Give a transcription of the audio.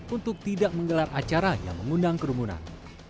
untuk tidak menggelar acara yang mengundang kerumunan